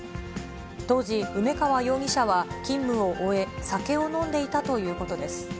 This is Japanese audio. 当時、梅川容疑者は勤務を終え、酒を飲んでいたということです。